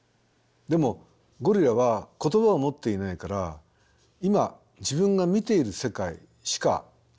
でもゴリラは言葉を持っていないから今自分が見ている世界しか共有できない。